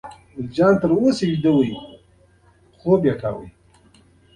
ګل جانه لا تر اوسه ویده وه، خوب یې کاوه.